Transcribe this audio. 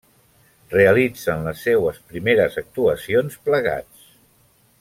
Realitzen les seues primeres actuacions plegats.